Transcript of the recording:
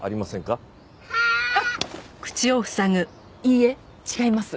いいえ違います。